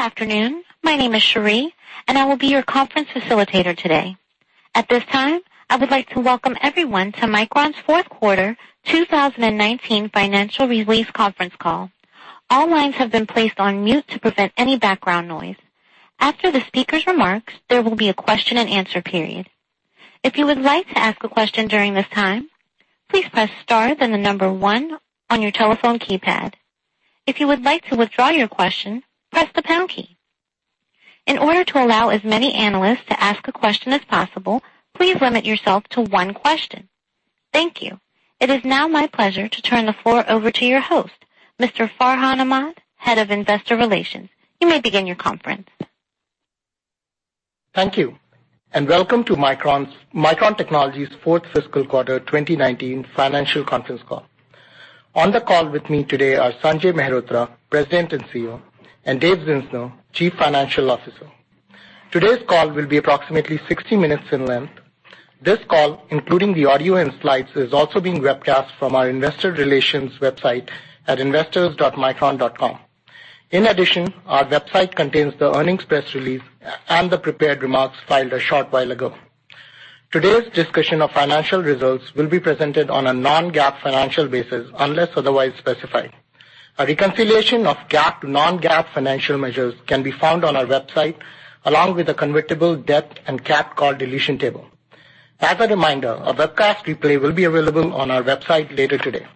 Good afternoon. My name is Sheree, and I will be your conference facilitator today. At this time, I would like to welcome everyone to Micron's fourth quarter 2019 financial release conference call. All lines have been placed on mute to prevent any background noise. After the speaker's remarks, there will be a question and answer period. If you would like to ask a question during this time, please press star, then the number 1 on your telephone keypad. If you would like to withdraw your question, press the pound key. In order to allow as many analysts to ask a question as possible, please limit yourself to one question. Thank you. It is now my pleasure to turn the floor over to your host, Mr. Farhan Ahmad, Head of Investor Relations. You may begin your conference. Thank you, and welcome to Micron Technology's fourth fiscal quarter 2019 financial conference call. On the call with me today are Sanjay Mehrotra, President and CEO, and Dave Zinsner, Chief Financial Officer. Today's call will be approximately 60 minutes in length. This call, including the audio and slides, is also being webcast from our investor relations website at investors.micron.com. In addition, our website contains the earnings press release and the prepared remarks filed a short while ago. Today's discussion of financial results will be presented on a non-GAAP financial basis, unless otherwise specified. A reconciliation of GAAP to non-GAAP financial measures can be found on our website, along with a convertible debt and capped call deletion table. As a reminder, a webcast replay will be available on our website later today.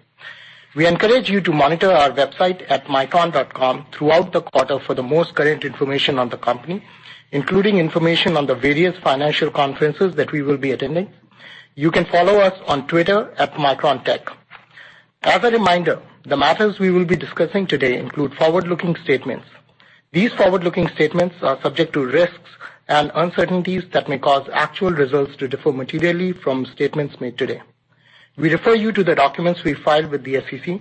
We encourage you to monitor our website at micron.com throughout the quarter for the most current information on the company, including information on the various financial conferences that we will be attending. You can follow us on Twitter at MicronTech. As a reminder, the matters we will be discussing today include forward-looking statements. These forward-looking statements are subject to risks and uncertainties that may cause actual results to differ materially from statements made today. We refer you to the documents we filed with the SEC,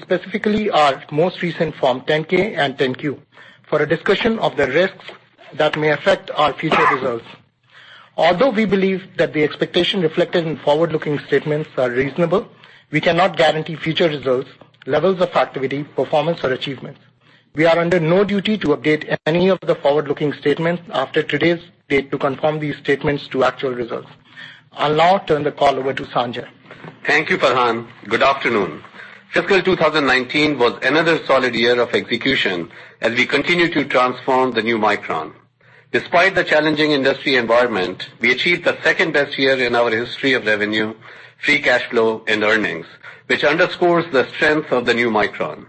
specifically our most recent Form 10-K and 10-Q, for a discussion of the risks that may affect our future results. Although we believe that the expectation reflected in forward-looking statements are reasonable, we cannot guarantee future results, levels of activity, performance, or achievements. We are under no duty to update any of the forward-looking statements after today's date to confirm these statements to actual results. I'll now turn the call over to Sanjay. Thank you, Farhan. Good afternoon. Fiscal 2019 was another solid year of execution as we continue to transform the new Micron. Despite the challenging industry environment, we achieved the second-best year in our history of revenue, free cash flow, and earnings, which underscores the strength of the new Micron.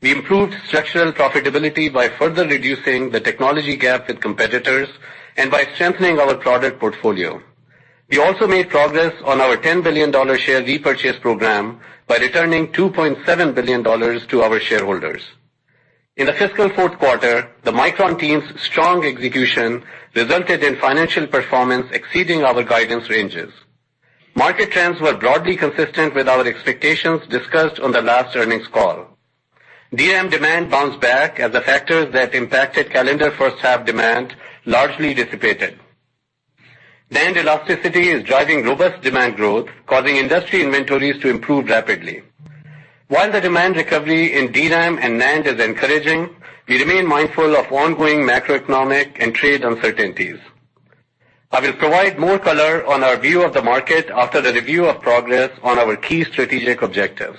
We improved structural profitability by further reducing the technology gap with competitors and by strengthening our product portfolio. We also made progress on our $10 billion share repurchase program by returning $2.7 billion to our shareholders. In the fiscal fourth quarter, the Micron team's strong execution resulted in financial performance exceeding our guidance ranges. Market trends were broadly consistent with our expectations discussed on the last earnings call. DRAM demand bounced back as the factors that impacted calendar first half demand largely dissipated. NAND elasticity is driving robust demand growth, causing industry inventories to improve rapidly. While the demand recovery in DRAM and NAND is encouraging, we remain mindful of ongoing macroeconomic and trade uncertainties. I will provide more color on our view of the market after the review of progress on our key strategic objectives.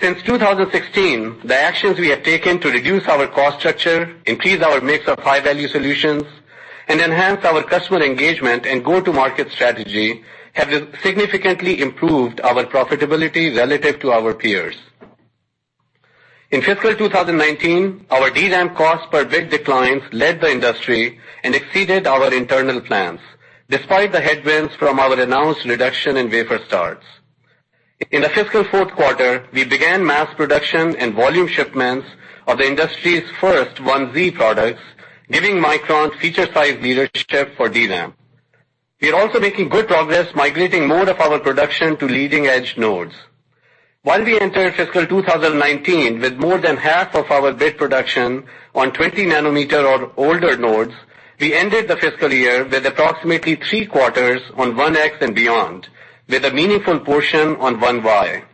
Since 2016, the actions we have taken to reduce our cost structure, increase our mix of high-value solutions, and enhance our customer engagement and go-to-market strategy have significantly improved our profitability relative to our peers. In fiscal 2019, our DRAM cost per bit declines led the industry and exceeded our internal plans, despite the headwinds from our announced reduction in wafer starts. In the fiscal fourth quarter, we began mass production and volume shipments of the industry's first 1Z products, giving Micron feature size leadership for DRAM. We are also making good progress migrating more of our production to leading-edge nodes. While we entered fiscal 2019 with more than half of our bit production on 20 nanometer or older nodes, we ended the fiscal year with approximately three-quarters on 1X and beyond, with a meaningful portion on 1Y.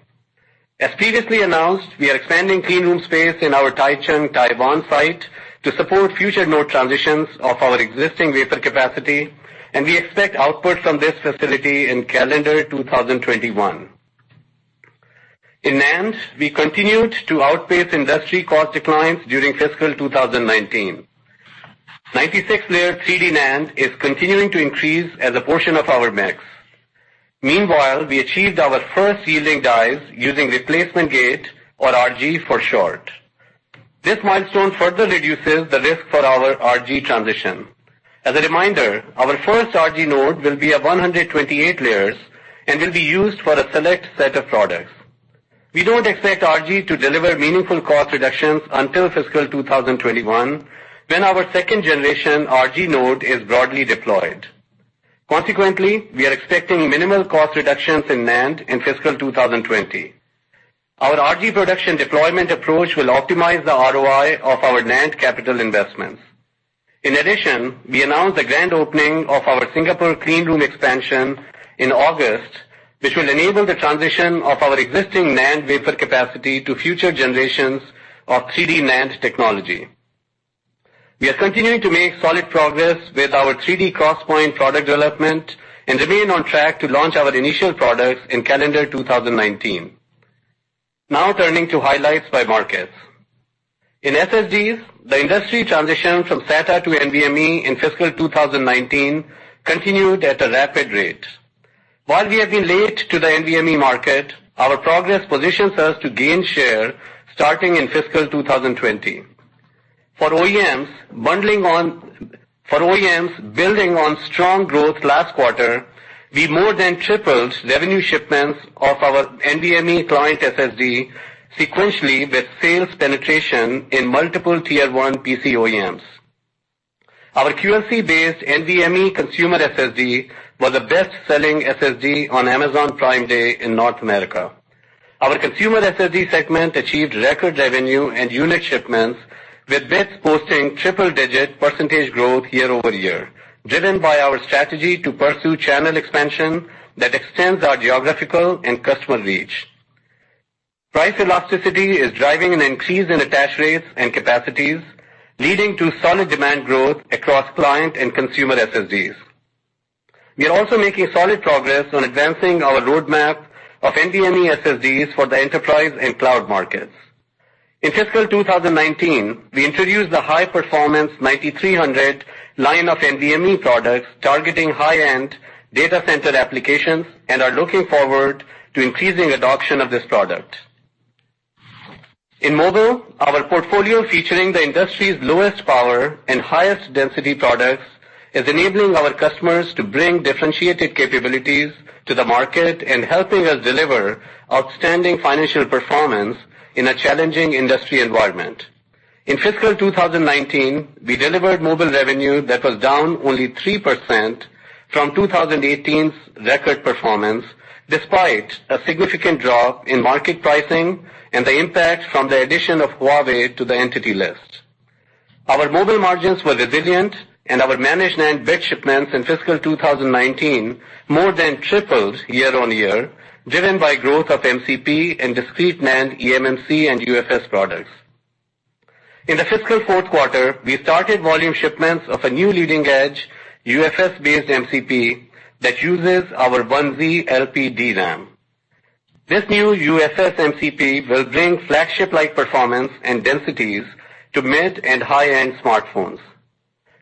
As previously announced, we are expanding clean room space in our Taichung, Taiwan, site to support future node transitions of our existing wafer capacity, and we expect output from this facility in calendar 2021. In NAND, we continued to outpace industry cost declines during fiscal 2019. 96 layer 3D NAND is continuing to increase as a portion of our mix. Meanwhile, we achieved our first yielding dies using replacement gate, or RG for short. This milestone further reduces the risk for our RG transition. As a reminder, our first RG node will be at 128 layers and will be used for a select set of products. We don't expect RG to deliver meaningful cost reductions until fiscal 2021, when our second generation RG node is broadly deployed. Consequently, we are expecting minimal cost reductions in NAND in fiscal 2020. Our RG production deployment approach will optimize the ROI of our NAND capital investments. In addition, we announced the grand opening of our Singapore clean room expansion in August, which will enable the transition of our existing NAND wafer capacity to future generations of 3D NAND technology. We are continuing to make solid progress with our 3D XPoint product development and remain on track to launch our initial products in calendar 2019. Now turning to highlights by markets. In SSDs, the industry transition from SATA to NVMe in fiscal 2019 continued at a rapid rate. While we have been late to the NVMe market, our progress positions us to gain share starting in fiscal 2020. For OEMs, building on strong growth last quarter, we more than tripled revenue shipments of our NVMe client SSD sequentially, with sales penetration in multiple tier-1 PC OEMs. Our QLC-based NVMe consumer SSD was a best-selling SSD on Amazon Prime Day in North America. Our consumer SSD segment achieved record revenue and unit shipments, with bits posting triple-digit percentage growth year-over-year, driven by our strategy to pursue channel expansion that extends our geographical and customer reach. Price elasticity is driving an increase in attach rates and capacities, leading to solid demand growth across client and consumer SSDs. We are also making solid progress on advancing our roadmap of NVMe SSDs for the enterprise and cloud markets. In fiscal 2019, we introduced the high-performance Micron 9300 line of NVMe products targeting high-end data center applications and are looking forward to increasing adoption of this product. In mobile, our portfolio featuring the industry's lowest power and highest density products is enabling our customers to bring differentiated capabilities to the market and helping us deliver outstanding financial performance in a challenging industry environment. In fiscal 2019, we delivered mobile revenue that was down only 3% from 2018's record performance, despite a significant drop in market pricing and the impact from the addition of Huawei to the Entity List. Our mobile margins were resilient, and our managed NAND bit shipments in fiscal 2019 more than tripled year-on-year, driven by growth of MCP and discrete NAND, eMMC, and UFS products. In the fiscal fourth quarter, we started volume shipments of a new leading-edge UFS-based MCP that uses our 1z LP DRAM. This new UFS MCP will bring flagship-like performance and densities to mid and high-end smartphones.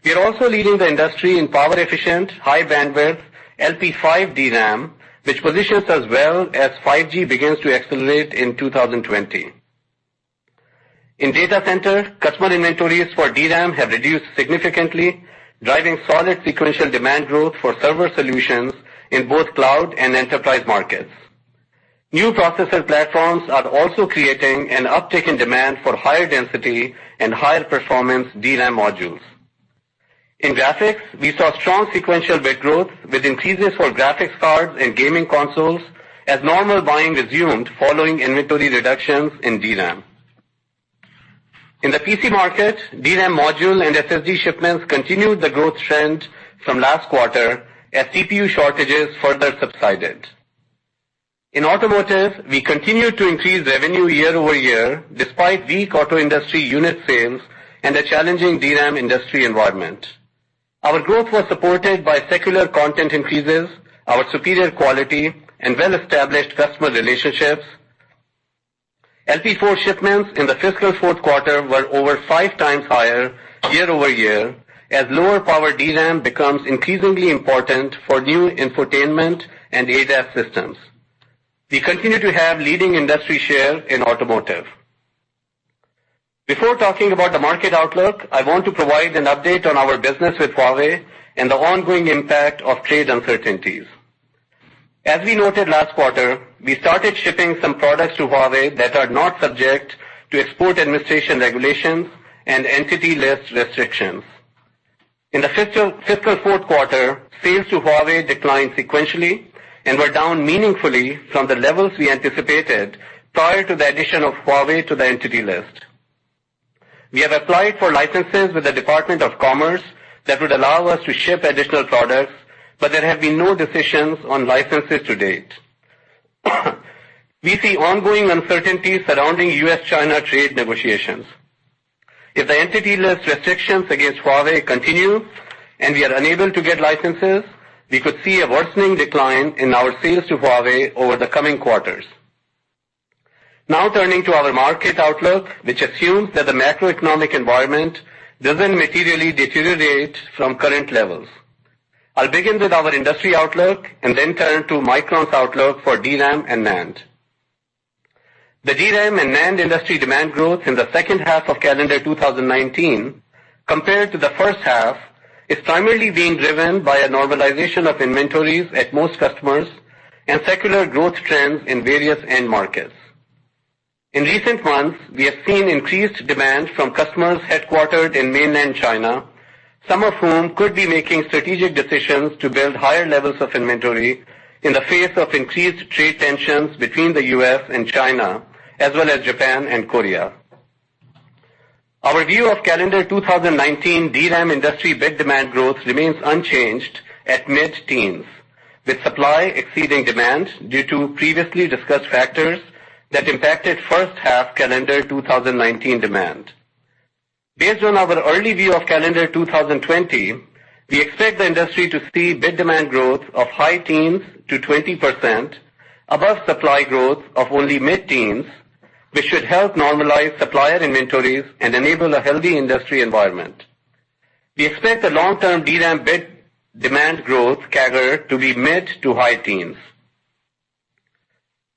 We are also leading the industry in power-efficient, high-bandwidth LP5 DRAM, which positions us well as 5G begins to accelerate in 2020. In data center, customer inventories for DRAM have reduced significantly, driving solid sequential demand growth for server solutions in both cloud and enterprise markets. New processor platforms are also creating an uptick in demand for higher density and higher performance DRAM modules. In graphics, we saw strong sequential bit growth with increases for graphics cards and gaming consoles as normal buying resumed following inventory reductions in DRAM. In the PC market, DRAM module and SSD shipments continued the growth trend from last quarter as CPU shortages further subsided. In automotive, we continued to increase revenue year-over-year, despite weak auto industry unit sales and a challenging DRAM industry environment. Our growth was supported by secular content increases, our superior quality, and well-established customer relationships. LP4 shipments in the fiscal fourth quarter were over five times higher year-over-year, as lower power DRAM becomes increasingly important for new infotainment and ADAS systems. We continue to have leading industry share in automotive. Before talking about the market outlook, I want to provide an update on our business with Huawei and the ongoing impact of trade uncertainties. As we noted last quarter, we started shipping some products to Huawei that are not subject to Export Administration Regulations and Entity List restrictions. In the fiscal fourth quarter, sales to Huawei declined sequentially and were down meaningfully from the levels we anticipated prior to the addition of Huawei to the Entity List. We have applied for licenses with the Department of Commerce that would allow us to ship additional products. There have been no decisions on licenses to date. We see ongoing uncertainties surrounding U.S.-China trade negotiations. If the Entity List restrictions against Huawei continue and we are unable to get licenses, we could see a worsening decline in our sales to Huawei over the coming quarters. Turning to our market outlook, which assumes that the macroeconomic environment doesn't materially deteriorate from current levels. I'll begin with our industry outlook and turn to Micron's outlook for DRAM and NAND. The DRAM and NAND industry demand growth in the second half of calendar 2019 compared to the first half is primarily being driven by a normalization of inventories at most customers and secular growth trends in various end markets. In recent months, we have seen increased demand from customers headquartered in mainland China, some of whom could be making strategic decisions to build higher levels of inventory in the face of increased trade tensions between the U.S. and China as well as Japan and Korea. Our view of calendar 2019 DRAM industry bit demand growth remains unchanged at mid-teens, with supply exceeding demand due to previously discussed factors that impacted first half calendar 2019 demand. Based on our early view of calendar 2020, we expect the industry to see bit demand growth of high teens to 20% above supply growth of only mid-teens, which should help normalize supplier inventories and enable a healthy industry environment. We expect the long-term DRAM bit demand growth CAGR to be mid to high teens.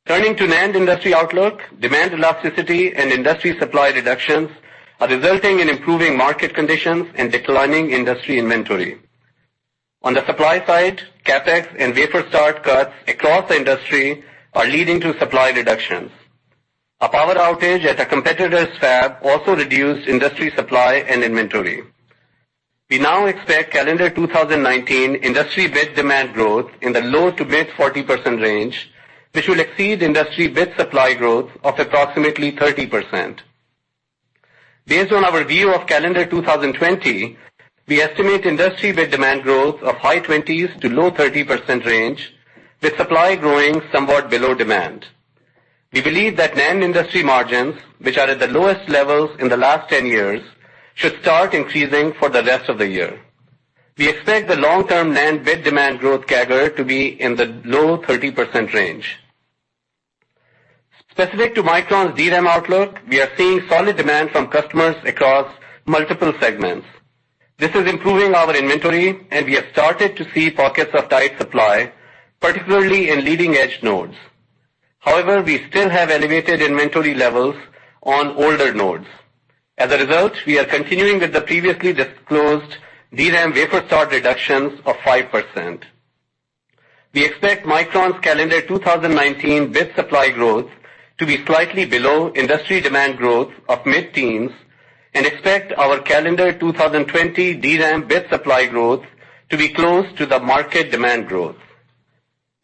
Turning to NAND industry outlook, demand elasticity and industry supply reductions are resulting in improving market conditions and declining industry inventory. On the supply side, CapEx and wafer start cuts across the industry are leading to supply reductions. A power outage at a competitor's fab also reduced industry supply and inventory. We now expect calendar 2019 industry bit demand growth in the low to mid 40% range, which will exceed industry bit supply growth of approximately 30%. Based on our view of calendar 2020, we estimate industry bit demand growth of high 20s to low 30% range, with supply growing somewhat below demand. We believe that NAND industry margins, which are at the lowest levels in the last 10 years, should start increasing for the rest of the year. We expect the long-term NAND bit demand growth CAGR to be in the low 30% range. Specific to Micron's DRAM outlook, we are seeing solid demand from customers across multiple segments. This is improving our inventory, and we have started to see pockets of tight supply, particularly in leading-edge nodes. However, we still have elevated inventory levels on older nodes. As a result, we are continuing with the previously disclosed DRAM wafer start reductions of 5%. We expect Micron's calendar 2019 bit supply growth to be slightly below industry demand growth of mid-teens and expect our calendar 2020 DRAM bit supply growth to be close to the market demand growth.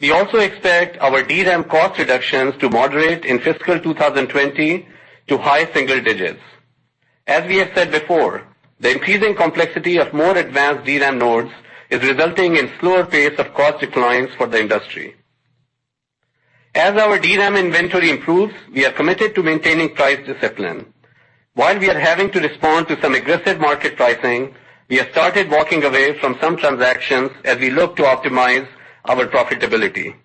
We also expect our DRAM cost reductions to moderate in fiscal 2020 to high single digits. As we have said before, the increasing complexity of more advanced DRAM nodes is resulting in slower pace of cost declines for the industry. As our DRAM inventory improves, we are committed to maintaining price discipline. While we are having to respond to some aggressive market pricing, we have started walking away from some transactions as we look to optimize our profitability.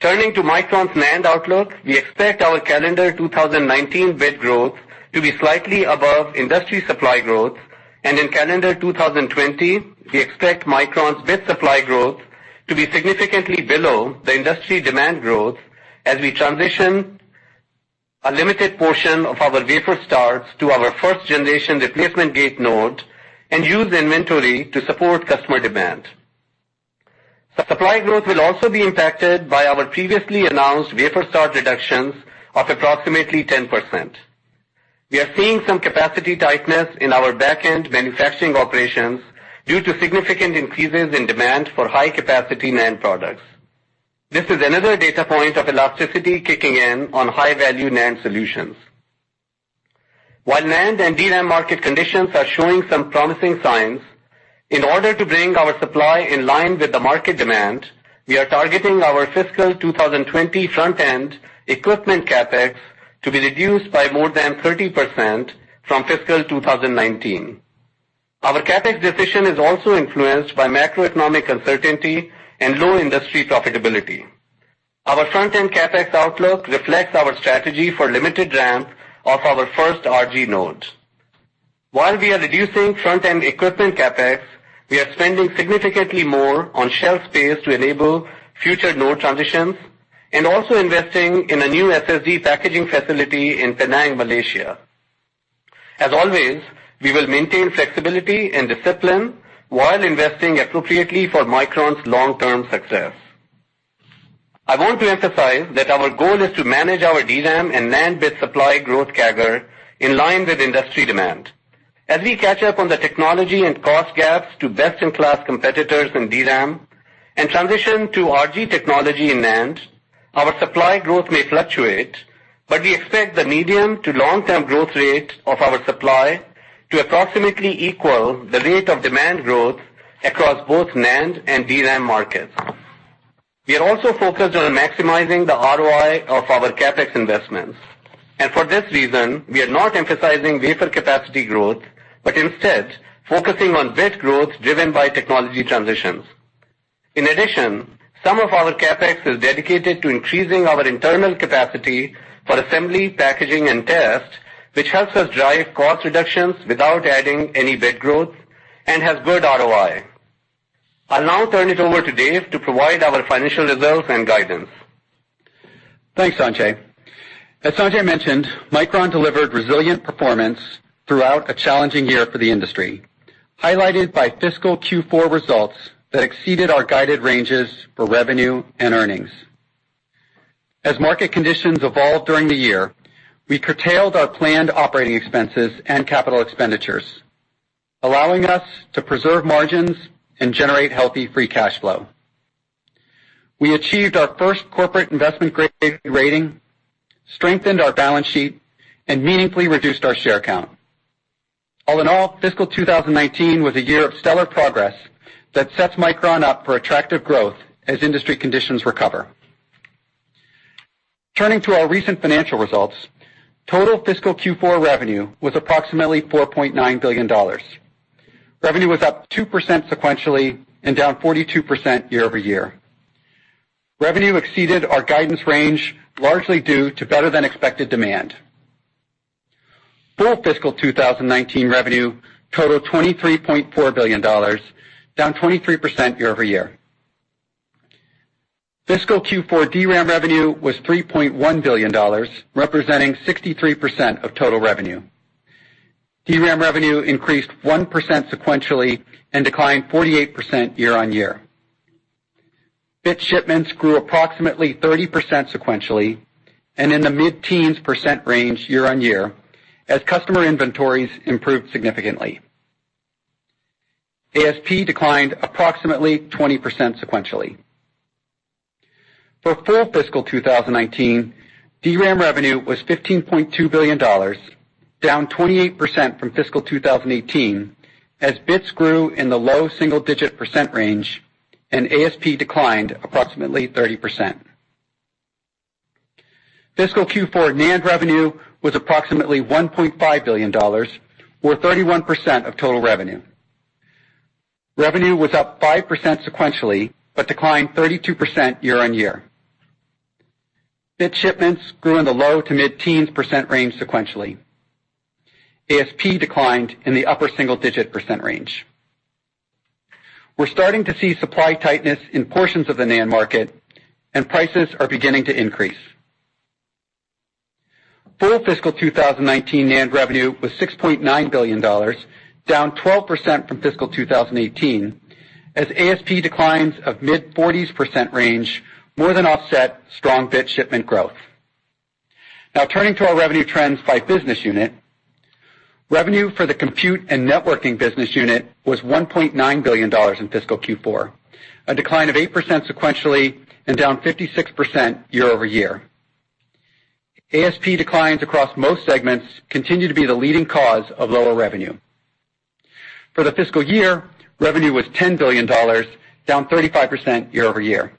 Turning to Micron's NAND outlook, we expect our calendar 2019 bit growth to be slightly above industry supply growth. In calendar 2020, we expect Micron's bit supply growth to be significantly below the industry demand growth as we transition a limited portion of our wafer starts to our first-generation Replacement Gate node and use the inventory to support customer demand. The supply growth will also be impacted by our previously announced wafer start reductions of approximately 10%. We are seeing some capacity tightness in our back-end manufacturing operations due to significant increases in demand for high-capacity NAND products. This is another data point of elasticity kicking in on high-value NAND solutions. While NAND and DRAM market conditions are showing some promising signs, in order to bring our supply in line with the market demand, we are targeting our fiscal 2020 front-end equipment CapEx to be reduced by more than 30% from fiscal 2019. Our CapEx decision is also influenced by macroeconomic uncertainty and low industry profitability. Our front-end CapEx outlook reflects our strategy for limited ramp of our first RG node. While we are reducing front-end equipment CapEx, we are spending significantly more on shelf space to enable future node transitions and also investing in a new SSD packaging facility in Penang, Malaysia. As always, we will maintain flexibility and discipline while investing appropriately for Micron's long-term success. I want to emphasize that our goal is to manage our DRAM and NAND bit supply growth CAGR in line with industry demand. As we catch up on the technology and cost gaps to best-in-class competitors in DRAM and transition to RG technology in NAND, our supply growth may fluctuate, but we expect the medium to long-term growth rate of our supply to approximately equal the rate of demand growth across both NAND and DRAM markets. We are also focused on maximizing the ROI of our CapEx investments, and for this reason, we are not emphasizing wafer capacity growth, but instead focusing on bit growth driven by technology transitions. In addition, some of our CapEx is dedicated to increasing our internal capacity for assembly, packaging, and test, which helps us drive cost reductions without adding any bit growth and has good ROI. I'll now turn it over to Dave to provide our financial results and guidance. Thanks, Sanjay. As Sanjay mentioned, Micron delivered resilient performance throughout a challenging year for the industry, highlighted by fiscal Q4 results that exceeded our guided ranges for revenue and earnings. As market conditions evolved during the year, we curtailed our planned operating expenses and capital expenditures, allowing us to preserve margins and generate healthy free cash flow. We achieved our first corporate investment-grade rating, strengthened our balance sheet, and meaningfully reduced our share count. All in all, fiscal 2019 was a year of stellar progress that sets Micron up for attractive growth as industry conditions recover. Turning to our recent financial results, total fiscal Q4 revenue was approximately $4.9 billion. Revenue was up 2% sequentially and down 42% year-over-year. Revenue exceeded our guidance range, largely due to better than expected demand. Full fiscal 2019 revenue totaled $23.4 billion, down 23% year-over-year. Fiscal Q4 DRAM revenue was $3.1 billion, representing 63% of total revenue. DRAM revenue increased 1% sequentially and declined 48% year-over-year. Bit shipments grew approximately 30% sequentially and in the mid-teens percent range year-over-year as customer inventories improved significantly. ASP declined approximately 20% sequentially. For full fiscal 2019, DRAM revenue was $15.2 billion, down 28% from fiscal 2018 as bits grew in the low single-digit percent range and ASP declined approximately 30%. Fiscal Q4 NAND revenue was approximately $1.5 billion, or 31% of total revenue. Revenue was up 5% sequentially, but declined 32% year-over-year. Bit shipments grew in the low to mid-teens percent range sequentially. ASP declined in the upper single-digit percent range. We're starting to see supply tightness in portions of the NAND market, and prices are beginning to increase. Full fiscal 2019 NAND revenue was $6.9 billion, down 12% from fiscal 2018 as ASP declines of mid-40s% range more than offset strong bit shipment growth. Turning to our revenue trends by business unit. Revenue for the Compute and Networking Business Unit was $1.9 billion in fiscal Q4, a decline of 8% sequentially and down 56% year-over-year. ASP declines across most segments continue to be the leading cause of lower revenue. For the fiscal year, revenue was $10 billion, down 35% year-over-year.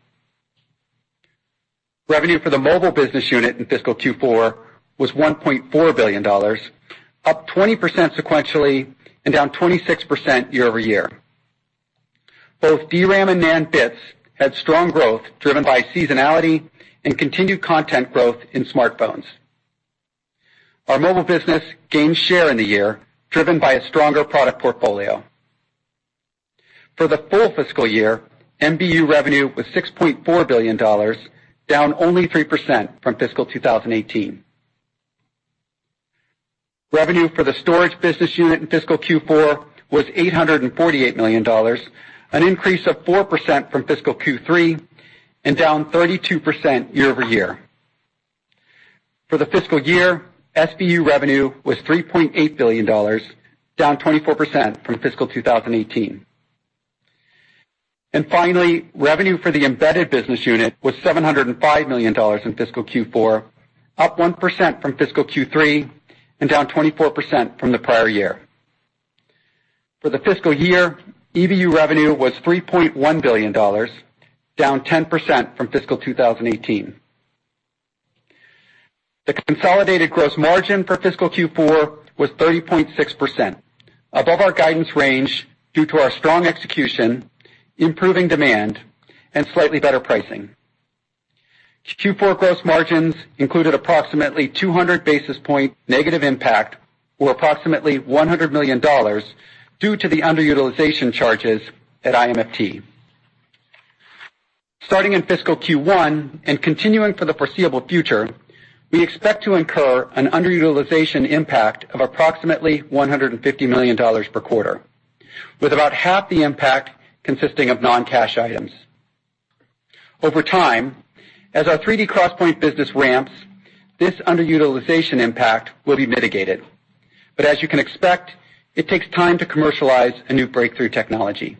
Revenue for the Mobile Business Unit in fiscal Q4 was $1.4 billion, up 20% sequentially and down 26% year-over-year. Both DRAM and NAND bits had strong growth driven by seasonality and continued content growth in smartphones. Our mobile business gained share in the year driven by a stronger product portfolio. For the full fiscal year, MBU revenue was $6.4 billion, down only 3% from fiscal 2018. Revenue for the storage business unit in fiscal Q4 was $848 million, an increase of 4% from fiscal Q3 and down 32% year-over-year. For the fiscal year, SBU revenue was $3.8 billion, down 24% from fiscal 2018. Finally, revenue for the embedded business unit was $705 million in fiscal Q4, up 1% from fiscal Q3 and down 24% from the prior year. For the fiscal year, EBU revenue was $3.1 billion, down 10% from fiscal 2018. The consolidated gross margin for fiscal Q4 was 30.6%, above our guidance range due to our strong execution, improving demand, and slightly better pricing. Q4 gross margins included approximately 200 basis point negative impact, or approximately $100 million, due to the underutilization charges at IMFT. Starting in fiscal Q1 and continuing for the foreseeable future, we expect to incur an underutilization impact of approximately $150 million per quarter, with about half the impact consisting of non-cash items. Over time, as our 3D XPoint business ramps, this underutilization impact will be mitigated. As you can expect, it takes time to commercialize a new breakthrough technology.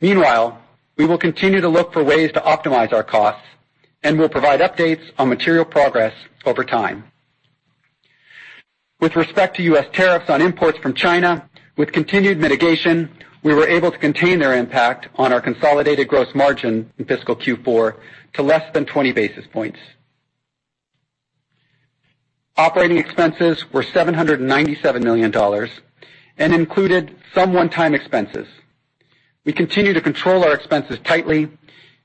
Meanwhile, we will continue to look for ways to optimize our costs, and we'll provide updates on material progress over time. With respect to U.S. tariffs on imports from China, with continued mitigation, we were able to contain their impact on our consolidated gross margin in fiscal Q4 to less than 20 basis points. Operating expenses were $797 million and included some one-time expenses. We continue to control our expenses tightly,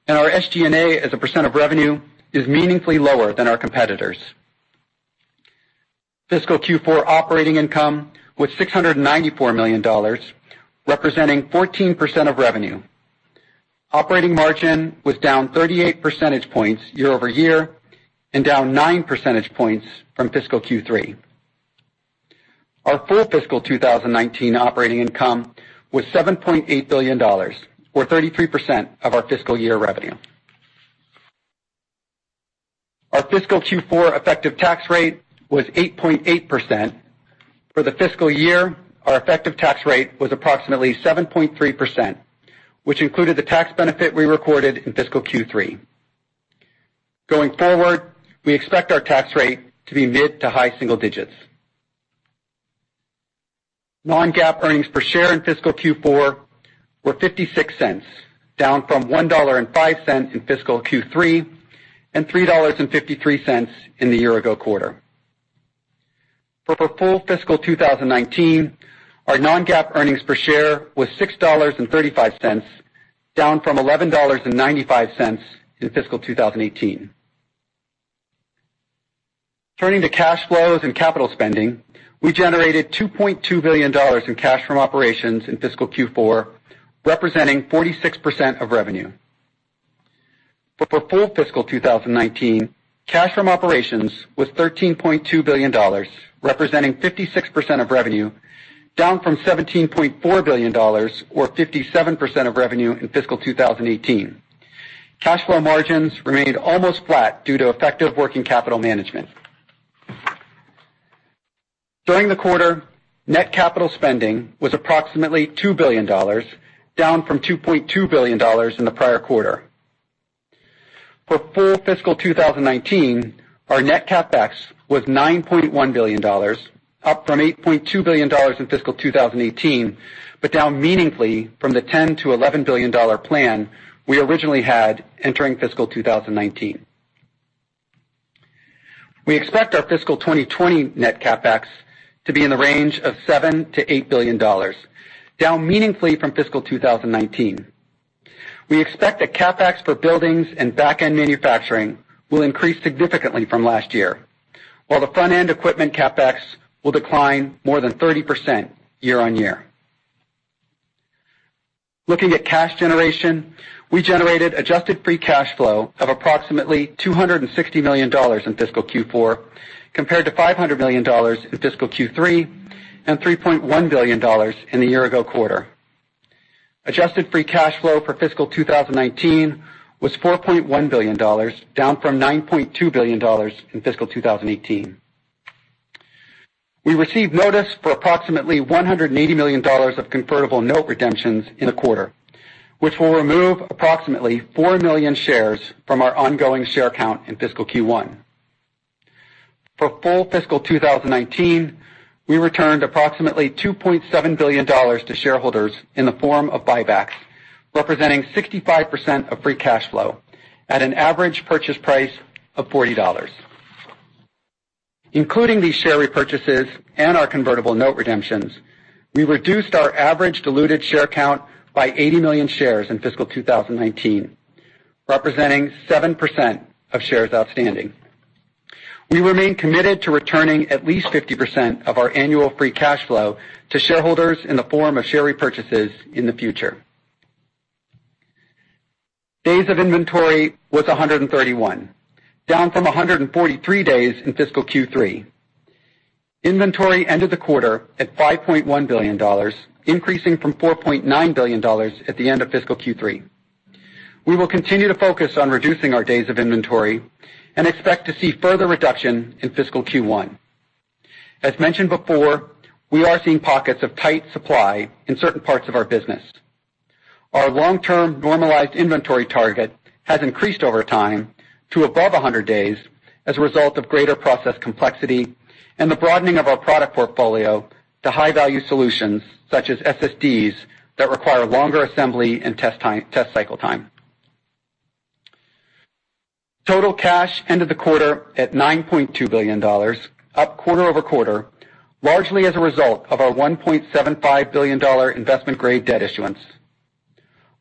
and our SG&A as a % of revenue is meaningfully lower than our competitors. Fiscal Q4 operating income was $694 million, representing 14% of revenue. Operating margin was down 38 percentage points year-over-year and down nine percentage points from fiscal Q3. Our full fiscal 2019 operating income was $7.8 billion, or 33% of our fiscal year revenue. Our fiscal Q4 effective tax rate was 8.8%. For the fiscal year, our effective tax rate was approximately 7.3%, which included the tax benefit we recorded in fiscal Q3. Going forward, we expect our tax rate to be mid to high single digits. Non-GAAP earnings per share in fiscal Q4 were $0.56, down from $1.05 in fiscal Q3, and $3.53 in the year ago quarter. For full fiscal 2019, our non-GAAP earnings per share was $6.35, down from $11.95 in fiscal 2018. Turning to cash flows and capital spending, we generated $2.2 billion in cash from operations in fiscal Q4, representing 46% of revenue. For full fiscal 2019, cash from operations was $13.2 billion, representing 56% of revenue, down from $17.4 billion, or 57% of revenue in fiscal 2018. Cash flow margins remained almost flat due to effective working capital management. During the quarter, net capital spending was approximately $2 billion, down from $2.2 billion in the prior quarter. For full fiscal 2019, our net CapEx was $9.1 billion, up from $8.2 billion in fiscal 2018, but down meaningfully from the $10 billion-$11 billion plan we originally had entering fiscal 2019. We expect our fiscal 2020 net CapEx to be in the range of $7 billion-$8 billion, down meaningfully from fiscal 2019. We expect that CapEx for buildings and back-end manufacturing will increase significantly from last year, while the front-end equipment CapEx will decline more than 30% year-on-year. Looking at cash generation, we generated adjusted free cash flow of approximately $260 million in fiscal Q4, compared to $500 million in fiscal Q3, and $3.1 billion in the year ago quarter. Adjusted free cash flow for fiscal 2019 was $4.1 billion, down from $9.2 billion in fiscal 2018. We received notice for approximately $180 million of convertible note redemptions in the quarter, which will remove approximately 4 million shares from our ongoing share count in fiscal Q1. For full fiscal 2019, we returned approximately $2.7 billion to shareholders in the form of buybacks, representing 65% of free cash flow at an average purchase price of $40. Including these share repurchases and our convertible note redemptions, we reduced our average diluted share count by 80 million shares in fiscal 2019, representing 7% of shares outstanding. We remain committed to returning at least 50% of our annual free cash flow to shareholders in the form of share repurchases in the future. Days of inventory was 131, down from 143 days in fiscal Q3. Inventory ended the quarter at $5.1 billion, increasing from $4.9 billion at the end of fiscal Q3. We will continue to focus on reducing our days of inventory and expect to see further reduction in fiscal Q1. As mentioned before, we are seeing pockets of tight supply in certain parts of our business. Our long-term normalized inventory target has increased over time to above 100 days as a result of greater process complexity and the broadening of our product portfolio to high-value solutions such as SSDs that require longer assembly and test cycletime. Total cash end of the quarter at $9.2 billion, up quarter-over-quarter, largely as a result of our $1.75 billion investment-grade debt issuance.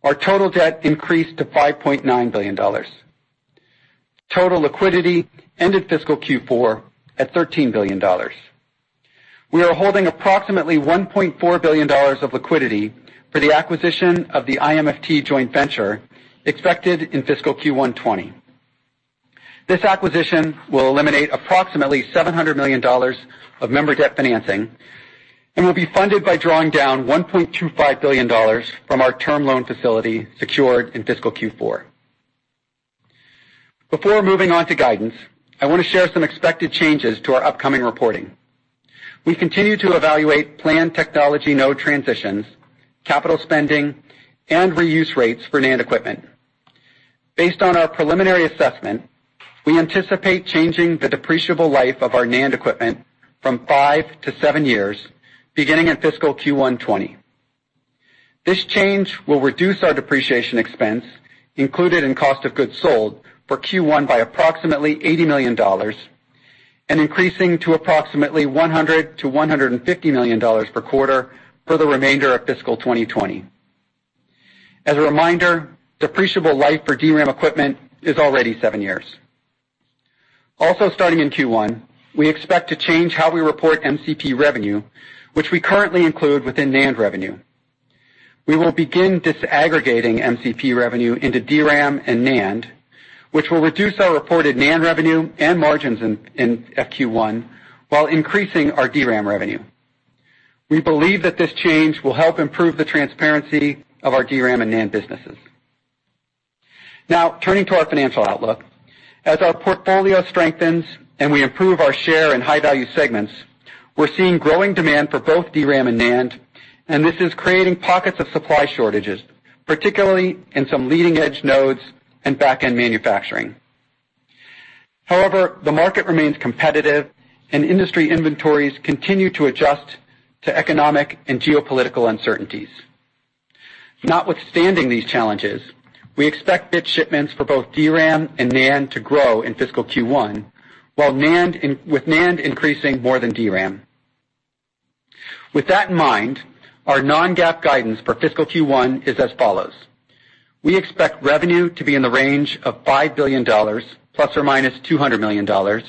Our total debt increased to $5.9 billion. Total liquidity ended fiscal Q4 at $13 billion. We are holding approximately $1.4 billion of liquidity for the acquisition of the IMFT joint venture expected in fiscal Q1 '20. This acquisition will eliminate approximately $700 million of member debt financing and will be funded by drawing down $1.25 billion from our term loan facility secured in fiscal Q4. Before moving on to guidance, I want to share some expected changes to our upcoming reporting. We continue to evaluate planned technology node transitions, capital spending, and reuse rates for NAND equipment. Based on our preliminary assessment, we anticipate changing the depreciable life of our NAND equipment from five to seven years, beginning in fiscal Q1 '20. This change will reduce our depreciation expense included in cost of goods sold for Q1 by approximately $80 million, and increasing to approximately $100 million-$150 million per quarter for the remainder of fiscal 2020. As a reminder, depreciable life for DRAM equipment is already seven years. Also starting in Q1, we expect to change how we report MCP revenue, which we currently include within NAND revenue. We will begin disaggregating MCP revenue into DRAM and NAND, which will reduce our reported NAND revenue and margins in Q1 while increasing our DRAM revenue. We believe that this change will help improve the transparency of our DRAM and NAND businesses. Now turning to our financial outlook. As our portfolio strengthens and we improve our share in high-value segments, we're seeing growing demand for both DRAM and NAND. This is creating pockets of supply shortages, particularly in some leading-edge nodes and back-end manufacturing. The market remains competitive and industry inventories continue to adjust to economic and geopolitical uncertainties. Notwithstanding these challenges, we expect bit shipments for both DRAM and NAND to grow in fiscal Q1, with NAND increasing more than DRAM. Our non-GAAP guidance for fiscal Q1 is as follows. We expect revenue to be in the range of $5 billion ± $200 million,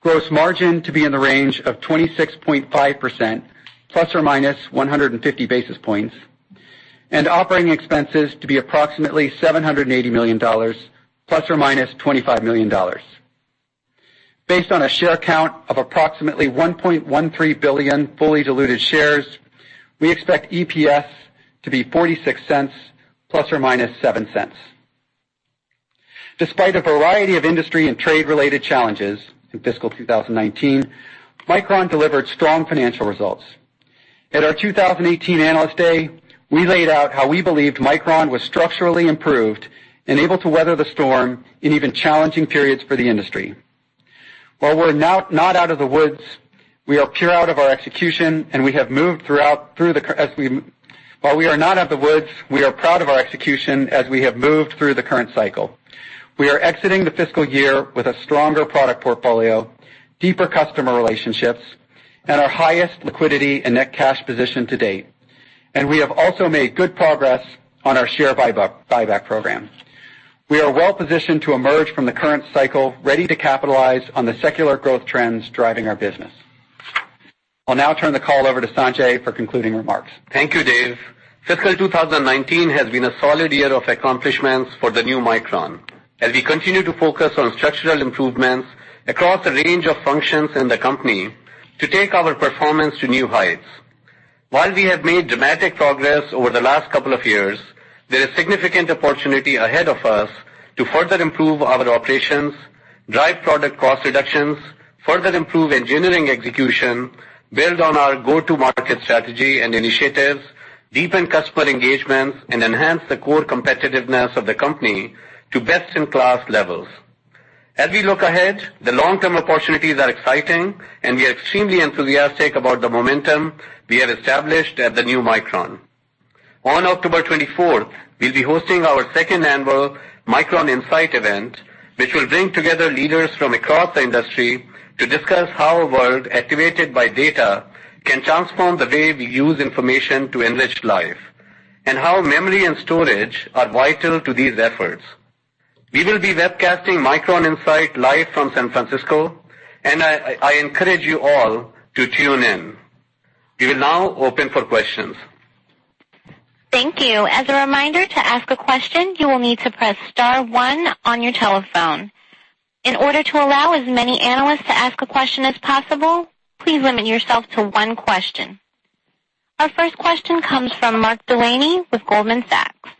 gross margin to be in the range of 26.5% ± 150 basis points, and operating expenses to be approximately $780 million ± $25 million. Based on a share count of approximately 1.13 billion fully diluted shares, we expect EPS to be $0.46 ± $0.07. Despite a variety of industry and trade-related challenges in fiscal 2019, Micron delivered strong financial results. At our 2018 Analyst Day, we laid out how we believed Micron was structurally improved and able to weather the storm in even challenging periods for the industry. While we are not out of the woods, we are proud of our execution as we have moved through the current cycle. We are exiting the fiscal year with a stronger product portfolio, deeper customer relationships, and our highest liquidity and net cash position to date. We have also made good progress on our share buyback program. We are well positioned to emerge from the current cycle ready to capitalize on the secular growth trends driving our business. I'll now turn the call over to Sanjay for concluding remarks. Thank you, Dave. Fiscal 2019 has been a solid year of accomplishments for the new Micron as we continue to focus on structural improvements across a range of functions in the company to take our performance to new heights. While we have made dramatic progress over the last couple of years, there is significant opportunity ahead of us to further improve our operations, drive product cost reductions, further improve engineering execution, build on our go-to-market strategy and initiatives, deepen customer engagements, and enhance the core competitiveness of the company to best-in-class levels. As we look ahead, the long-term opportunities are exciting, and we are extremely enthusiastic about the momentum we have established at the new Micron. On October 24th, we'll be hosting our second annual Micron Insight event, which will bring together leaders from across the industry to discuss how a world activated by data can transform the way we use information to enrich life and how memory and storage are vital to these efforts. We will be webcasting Micron Insight live from San Francisco, and I encourage you all to tune in. We will now open for questions. Thank you. As a reminder, to ask a question, you will need to press *1 on your telephone. In order to allow as many analysts to ask a question as possible, please limit yourself to one question. Our first question comes from Mark Delaney with Goldman Sachs.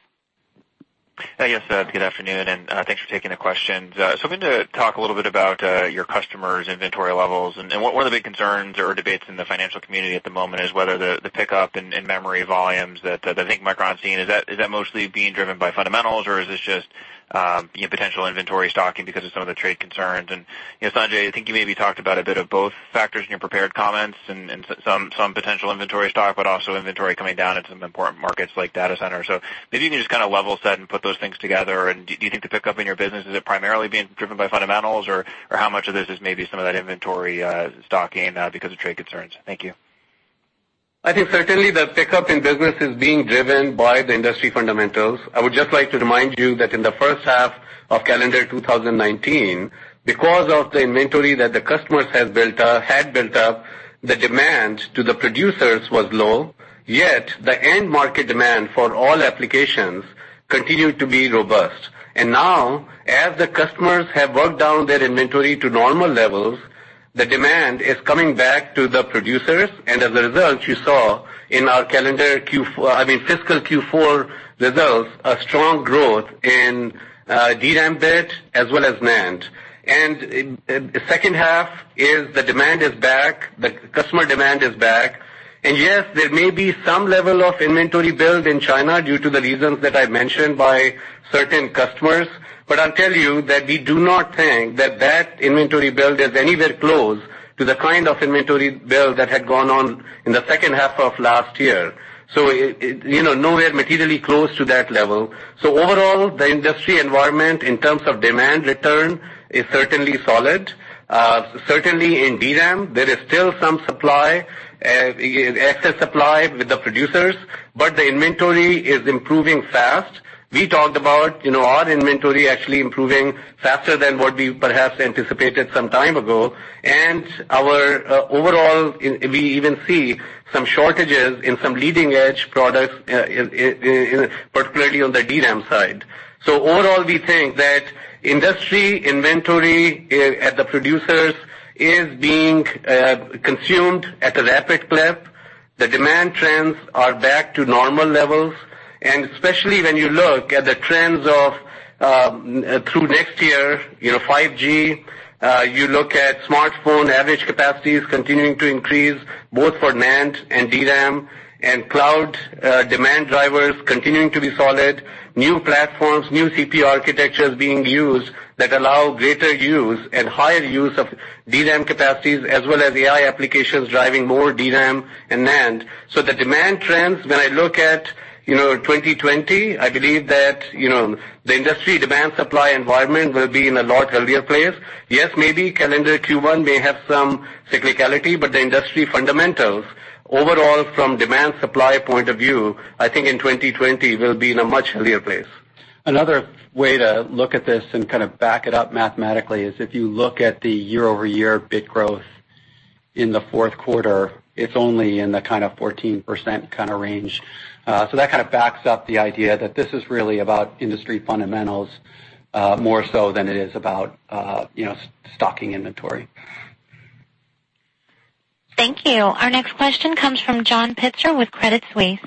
Yes. Good afternoon, and thanks for taking the questions. I'm going to talk a little bit about your customers' inventory levels and one of the big concerns or debates in the financial community at the moment is whether the pickup in memory volumes that I think Micron is seeing, is that mostly being driven by fundamentals, or is this just potential inventory stocking because of some of the trade concerns? Sanjay, I think you maybe talked about a bit of both factors in your prepared comments and some potential inventory stock, but also inventory coming down in some important markets like data centers. Maybe you can just kind of level set and put those things together. Do you think the pickup in your business, is it primarily being driven by fundamentals, or how much of this is maybe some of that inventory stocking because of trade concerns? Thank you. I think certainly the pickup in business is being driven by the industry fundamentals. I would just like to remind you that in the first half of calendar 2019, because of the inventory that the customers had built up, the demand to the producers was low, yet the end market demand for all applications continued to be robust. Now, as the customers have worked down their inventory to normal levels, the demand is coming back to the producers. As a result, you saw in our fiscal Q4 results, a strong growth in DRAM bit as well as NAND. The second half is the demand is back, the customer demand is back. Yes, there may be some level of inventory build in China due to the reasons that I mentioned by certain customers. I'll tell you that we do not think that that inventory build is anywhere close to the kind of inventory build that had gone on in the second half of last year, so nowhere materially close to that level. Overall, the industry environment in terms of demand return is certainly solid. Certainly in DRAM, there is still some supply, excess supply with the producers, but the inventory is improving fast. We talked about our inventory actually improving faster than what we perhaps anticipated some time ago, and our overall, we even see some shortages in some leading-edge products, particularly on the DRAM side. Overall, we think that industry inventory at the producers is being consumed at a rapid clip. The demand trends are back to normal levels, and especially when you look at the trends of through next year, 5G, you look at smartphone average capacities continuing to increase both for NAND and DRAM, and cloud demand drivers continuing to be solid, new platforms, new CPU architectures being used that allow greater use and higher use of DRAM capacities as well as AI applications driving more DRAM and NAND. The demand trends, when I look at 2020, I believe that the industry demand supply environment will be in a lot healthier place. Yes, maybe calendar Q1 may have some cyclicality, the industry fundamentals overall from demand supply point of view, I think in 2020 will be in a much healthier place. Another way to look at this and kind of back it up mathematically is if you look at the year-over-year bit growth in the fourth quarter, it's only in the kind of 14% kind of range. That kind of backs up the idea that this is really about industry fundamentals, more so than it is about stocking inventory. Thank you. Our next question comes from John Pitzer with Credit Suisse.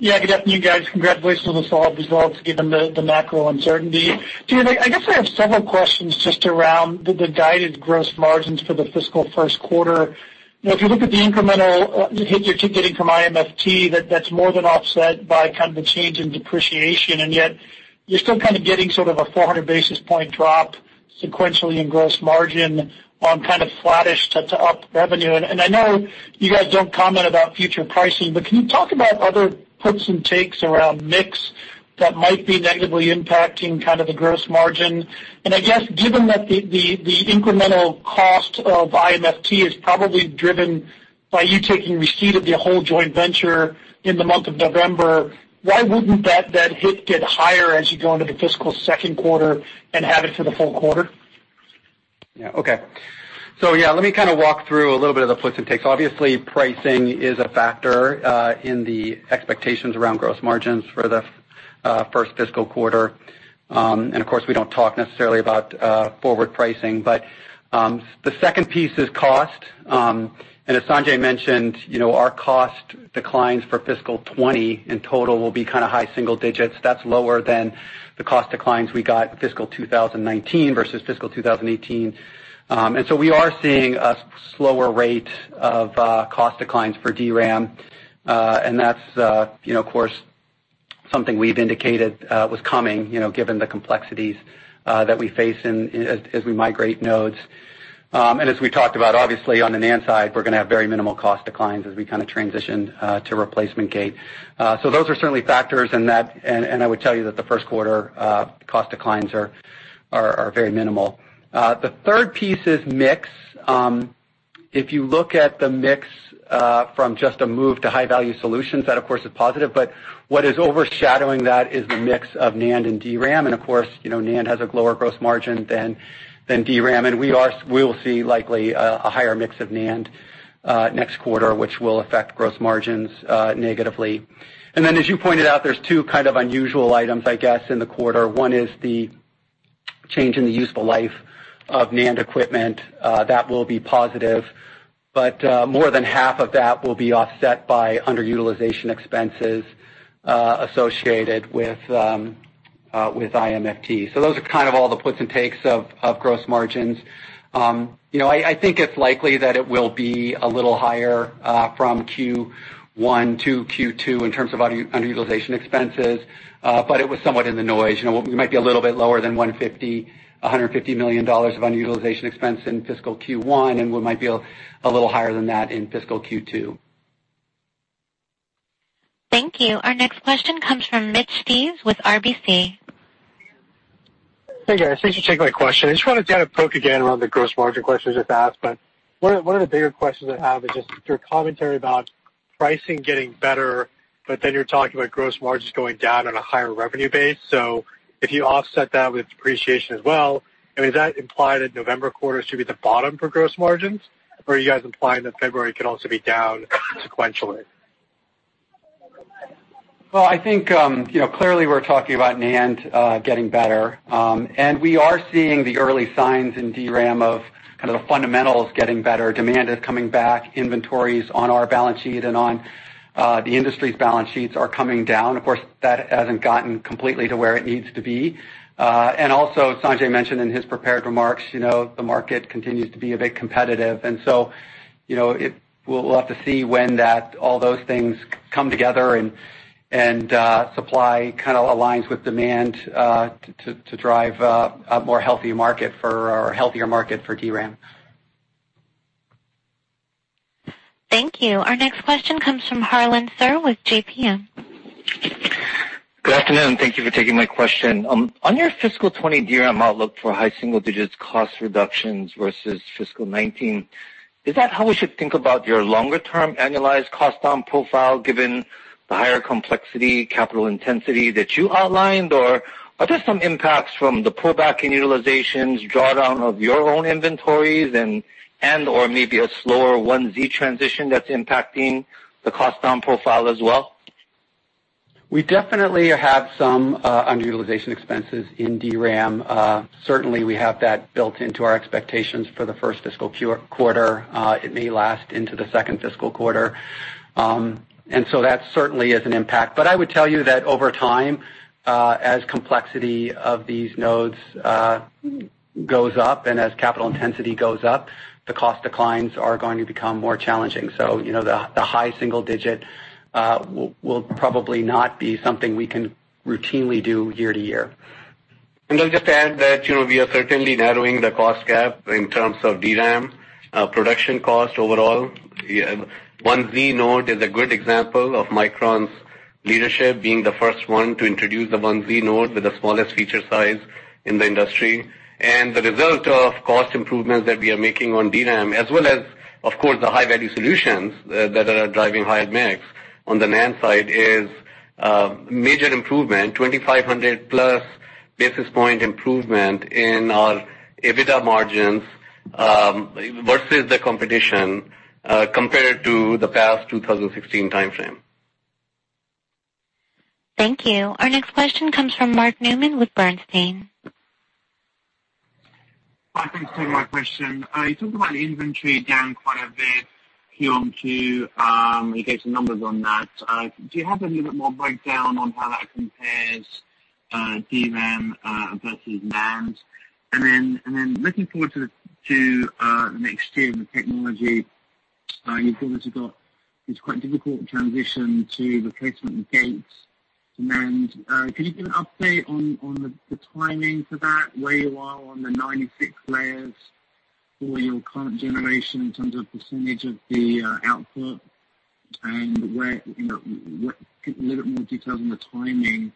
Good afternoon, guys. Congratulations on this all, as well, given the macro uncertainty. Sanjay, I guess I have several questions just around the guided gross margins for the fiscal first quarter. If you look at the incremental hit you're taking from IMFT, that's more than offset by kind of the change in depreciation, and yet you're still kind of getting sort of a 400 basis point drop sequentially in gross margin on kind of flattish to up revenue. I know you guys don't comment about future pricing, but can you talk about other puts and takes around mix that might be negatively impacting kind of the gross margin? I guess given that the incremental cost of IMFT is probably driven by you taking receipt of the whole joint venture in the month of November, why wouldn't that hit get higher as you go into the fiscal second quarter and have it for the full quarter? Yeah. Okay. Yeah, let me kind of walk through a little bit of the puts and takes. Obviously, pricing is a factor in the expectations around gross margins for the first fiscal quarter. Of course, we don't talk necessarily about forward pricing, but the second piece is cost. As Sanjay mentioned, our cost declines for fiscal 2020 in total will be kind of high single digits. That's lower than the cost declines we got fiscal 2019 versus fiscal 2018. We are seeing a slower rate of cost declines for DRAM, and that's, of course, something we've indicated was coming, given the complexities that we face as we migrate nodes. As we talked about, obviously, on the NAND side, we're going to have very minimal cost declines as we kind of transition to Replacement Gate. Those are certainly factors, and I would tell you that the first quarter cost declines are very minimal. The third piece is mix. If you look at the mix from just a move to high-value solutions, that of course, is positive, but what is overshadowing that is the mix of NAND and DRAM. Of course, NAND has a lower gross margin than DRAM, and we will see likely a higher mix of NAND next quarter, which will affect gross margins negatively. Then, as you pointed out, there's two kind of unusual items, I guess, in the quarter. One is the change in the useful life of NAND equipment. That will be positive, but more than half of that will be offset by underutilization expenses associated with IMFT. Those are kind of all the puts and takes of gross margins. I think it's likely that it will be a little higher from Q1 to Q2 in terms of underutilization expenses, but it was somewhat in the noise. We might be a little bit lower than $150 million of underutilization expense in fiscal Q1, and we might be a little higher than that in fiscal Q2. Thank you. Our next question comes from Mitch Steves with RBC. Hey, guys. Thanks for taking my question. I just wanted to kind of poke again around the gross margin questions just asked, but one of the bigger questions I have is just your commentary about pricing getting better, but then you're talking about gross margins going down on a higher revenue base. If you offset that with depreciation as well, I mean, does that imply that November quarter should be the bottom for gross margins, or are you guys implying that February could also be down sequentially? Well, I think, clearly, we're talking about NAND getting better. We are seeing the early signs in DRAM of kind of the fundamentals getting better. Demand is coming back, inventories on our balance sheet and on the industry's balance sheets are coming down. Of course, that hasn't gotten completely to where it needs to be. Also, Sanjay mentioned in his prepared remarks, the market continues to be a bit competitive. So, we'll have to see when all those things come together and supply kind of aligns with demand, to drive a more healthier market for DRAM. Thank you. Our next question comes from Harlan Sur with JPMorgan. Good afternoon. Thank you for taking my question. On your fiscal 2020 DRAM outlook for high single digits cost reductions versus fiscal 2019, is that how we should think about your longer-term annualized cost down profile given the higher complexity, capital intensity that you outlined? Or are there some impacts from the pullback in utilizations, drawdown of your own inventories and/or maybe a slower 1Z transition that's impacting the cost down profile as well? We definitely have some underutilization expenses in DRAM. Certainly, we have that built into our expectations for the first fiscal quarter. It may last into the second fiscal quarter. That certainly is an impact. I would tell you that over time, as complexity of these nodes goes up and as capital intensity goes up, the cost declines are going to become more challenging. The high single digit will probably not be something we can routinely do year to year. I'll just add that we are certainly narrowing the cost gap in terms of DRAM production cost overall. 1z node is a good example of Micron's leadership being the first one to introduce the 1z node with the smallest feature size in the industry. The result of cost improvements that we are making on DRAM, as well as, of course, the high-value solutions that are driving higher mix on the NAND side is major improvement, 2,500 plus basis point improvement in our EBITDA margins versus the competition compared to the past 2016 timeframe. Thank you. Our next question comes from Mark Newman with Bernstein. Hi. Thanks for taking my question. You talked about the inventory down quite a bit Q on Q. You gave some numbers on that. Do you have a little bit more breakdown on how that compares DRAM versus NAND? Looking forward to the next year and the technology, you've obviously got this quite difficult transition to Replacement Gate. Can you give an update on the timing for that, where you are on the 96 layers for your current generation in terms of % of the output and a little bit more details on the timing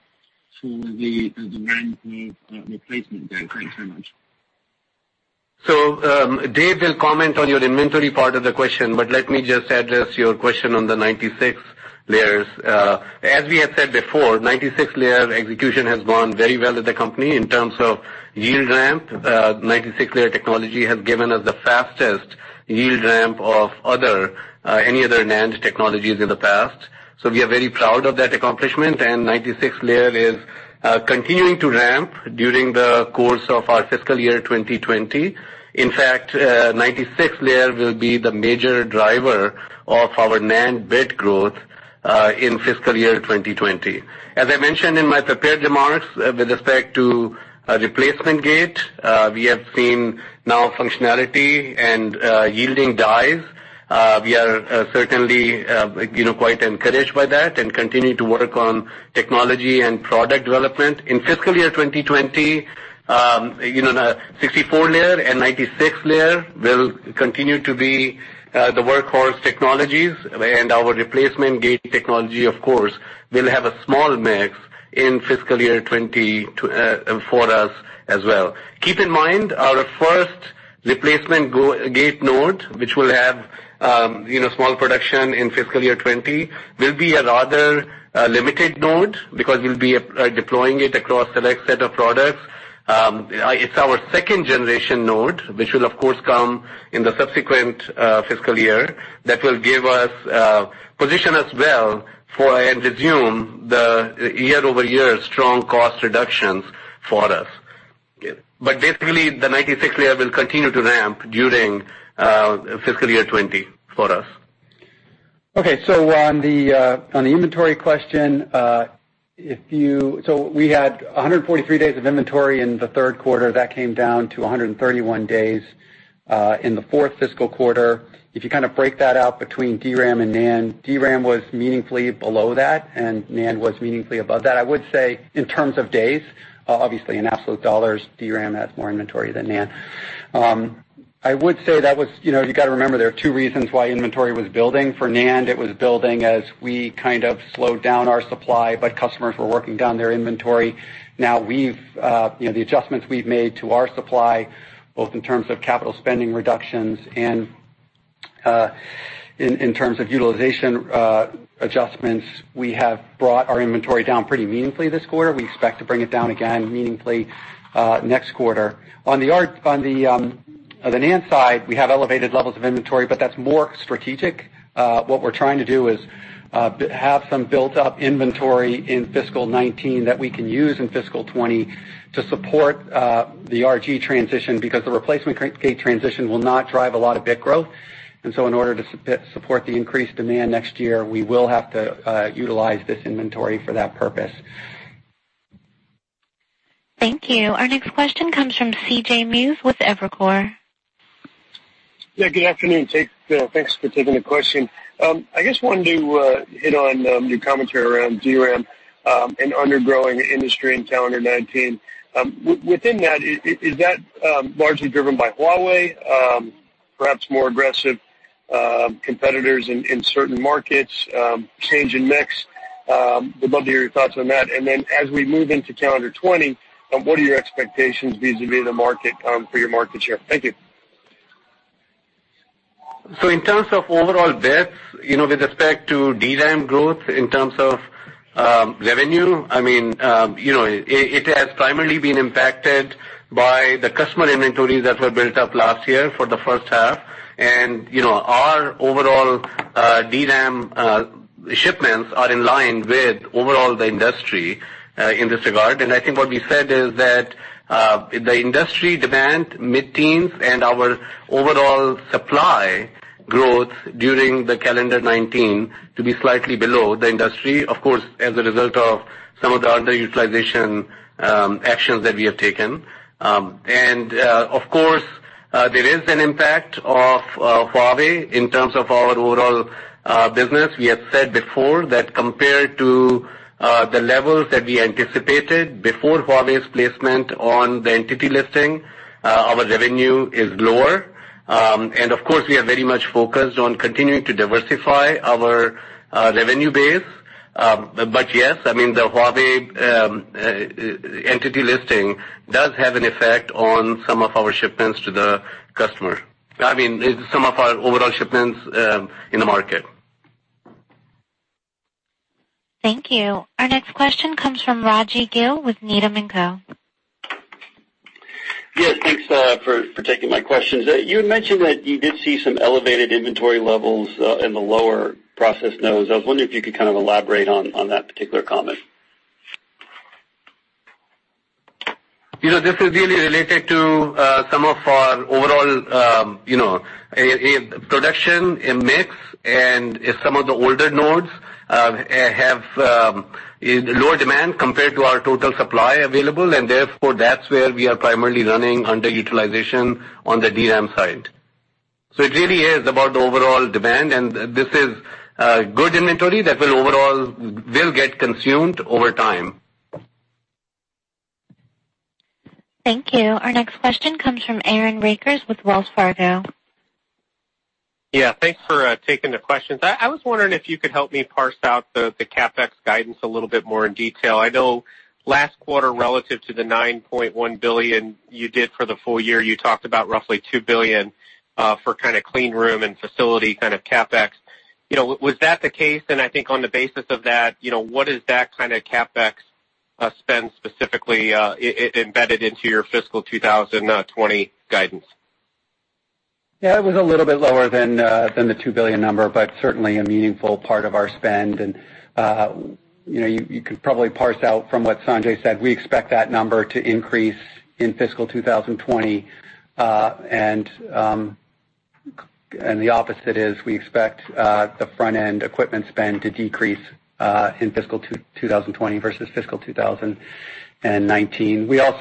for the DRAM Replacement Gate? Thanks very much. Dave will comment on your inventory part of the question, but let me just address your question on the 96 layers. As we have said before, 96 layer execution has gone very well at the company in terms of yield ramp. 96 layer technology has given us the fastest yield ramp of any other NAND technologies in the past. We are very proud of that accomplishment, and 96 layer is continuing to ramp during the course of our fiscal year 2020. In fact, 96 layer will be the major driver of our NAND bit growth in fiscal year 2020. As I mentioned in my prepared remarks with respect to Replacement Gate, we have seen now functionality and yielding dies. We are certainly quite encouraged by that and continue to work on technology and product development. In fiscal year 2020, 64-layer and 96-layer will continue to be the workhorse technologies, and our Replacement Gate technology, of course, will have a small mix in fiscal year 2020 for us as well. Keep in mind, our first Replacement Gate node, which will have small production in fiscal year 2020, will be a rather limited node because we'll be deploying it across select set of products. It's our second-generation node, which will of course come in the subsequent fiscal year that will position us well for, I assume, the year-over-year strong cost reductions for us. Basically, the 96-layer will continue to ramp during fiscal year 2020 for us. On the inventory question, we had 143 days of inventory in the third quarter. That came down to 131 days in the fourth fiscal quarter. If you kind of break that out between DRAM and NAND, DRAM was meaningfully below that, and NAND was meaningfully above that. I would say in terms of days, obviously in absolute dollars, DRAM has more inventory than NAND. I would say you got to remember there are two reasons why inventory was building. For NAND, it was building as we kind of slowed down our supply, but customers were working down their inventory. The adjustments we've made to our supply, both in terms of capital spending reductions and in terms of utilization adjustments, we have brought our inventory down pretty meaningfully this quarter. We expect to bring it down again meaningfully next quarter. On the NAND side, we have elevated levels of inventory, that's more strategic. What we're trying to do is have some built-up inventory in fiscal 2019 that we can use in fiscal 2020 to support the RG transition because the replacement gate transition will not drive a lot of bit growth. In order to support the increased demand next year, we will have to utilize this inventory for that purpose. Thank you. Our next question comes from C.J. Muse with Evercore. Yeah, good afternoon. Thanks for taking the question. I just wanted to hit on your commentary around DRAM and undergrowing the industry in calendar 2019. Within that, is that largely driven by Huawei, perhaps more aggressive competitors in certain markets, change in mix? Would love to hear your thoughts on that. As we move into calendar 2020, what are your expectations vis-a-vis the market, for your market share? Thank you. In terms of overall depth with respect to DRAM growth in terms of revenue, it has primarily been impacted by the customer inventories that were built up last year for the first half. Our DRAM shipments are in line with overall the industry in this regard. I think what we said is that the industry demand mid-teens and our overall supply growth during the calendar 2019 to be slightly below the industry, of course, as a result of some of the underutilization actions that we have taken. Of course, there is an impact of Huawei in terms of our overall business. We had said before that compared to the levels that we anticipated before Huawei's placement on the Entity List, our revenue is lower. Of course, we are very much focused on continuing to diversify our revenue base. Yes, I mean, the Huawei Entity listing does have an effect on some of our overall shipments in the market. Thank you. Our next question comes from Raji Gill with Needham & Company. Yes, thanks for taking my questions. You had mentioned that you did see some elevated inventory levels in the lower process nodes. I was wondering if you could kind of elaborate on that particular comment? This is really related to some of our overall production and mix and some of the older nodes have lower demand compared to our total supply available, and therefore, that's where we are primarily running underutilization on the DRAM side. It really is about the overall demand, and this is good inventory that will get consumed over time. Thank you. Our next question comes from Aaron Rakers with Wells Fargo. Thanks for taking the questions. I was wondering if you could help me parse out the CapEx guidance a little bit more in detail. I know last quarter relative to the $9.1 billion you did for the full year, you talked about roughly $2 billion for kind of clean room and facility kind of CapEx. Was that the case, and I think on the basis of that, what is that kind of CapEx spend specifically embedded into your fiscal 2020 guidance? Yeah, it was a little bit lower than the $2 billion number, but certainly a meaningful part of our spend. You could probably parse out from what Sanjay said, we expect that number to increase in fiscal 2020. The opposite is we expect the front-end equipment spend to decrease, in fiscal 2020 versus fiscal 2019. We'll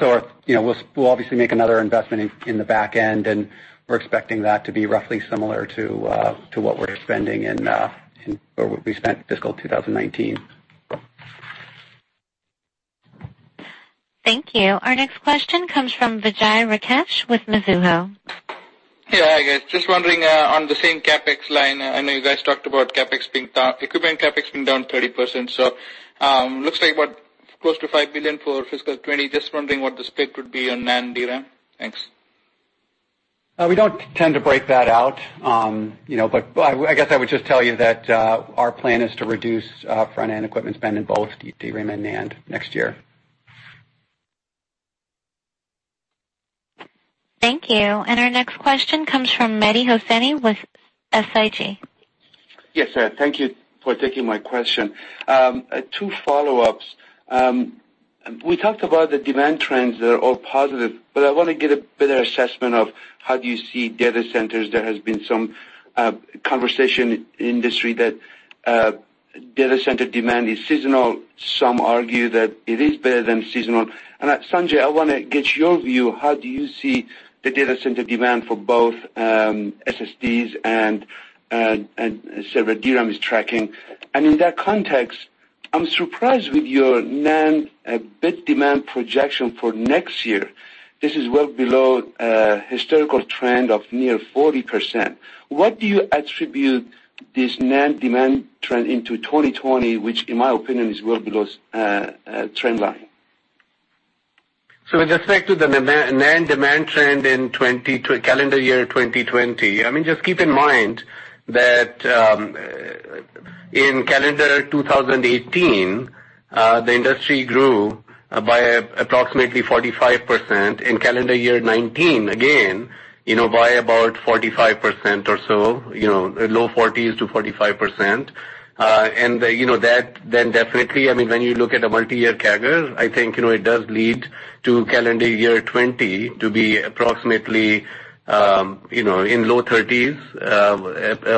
obviously make another investment in the back end, and we're expecting that to be roughly similar to what we spent fiscal 2019. Thank you. Our next question comes from Vijay Rakesh with Mizuho. Yeah, hi, guys. Just wondering, on the same CapEx line, I know you guys talked about equipment CapEx being down 30%. Looks like what? Close to $5 billion for fiscal 2020. Just wondering what the split would be on NAND, DRAM. Thanks. We don't tend to break that out. I guess I would just tell you that our plan is to reduce front-end equipment spend in both DRAM and NAND next year. Thank you. Our next question comes from Mehdi Hosseini with SIG. Yes. Thank you for taking my question. Two follow-ups. We talked about the demand trends that are all positive, but I want to get a better assessment of how do you see data centers. There has been some conversation industry that data center demand is seasonal. Some argue that it is better than seasonal. Sanjay, I want to get your view, how do you see the data center demand for both SSDs and server DRAM is tracking? In that context, I'm surprised with your NAND bit demand projection for next year. This is well below historical trend of near 40%. What do you attribute this NAND demand trend into 2020, which in my opinion is well below trend line? With respect to the NAND demand trend in calendar year 2020, just keep in mind that in calendar 2018, the industry grew by approximately 45%, in calendar year 2019, again, by about 45% or so, low 40s to 45%. Definitely, when you look at a multi-year CAGR, I think it does lead to calendar year 2020 to be approximately in low 30s,